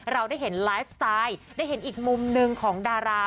เราได้เห็นไลฟ์สไตล์ได้เห็นอีกมุมหนึ่งของดารา